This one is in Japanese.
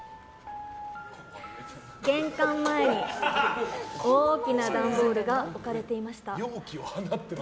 玄関前に大きな段ボールが置かれていました。